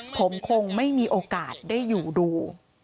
ผมคงไม่มีโอกาสได้อยู่ดู